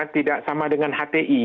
tidak sama dengan hti